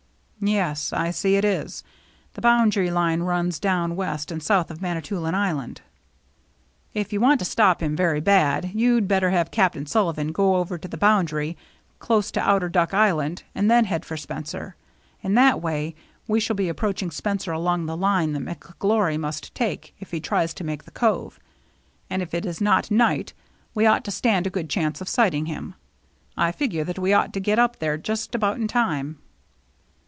"Yes, I see it is. The boundary line runs down west and south of Manitoulin Island." " If you want to stop him very bad, you'd better have Captain Sullivan go over to the boundary, close to Outer Duck Island, and then head for Spencer. In that way we shall be approaching Spencer along the line that McGlory must take if he tries to make the cove ; and if it is not night, we ought to stand a good chance of sighting him. I figure that we ought to get up there just about in time."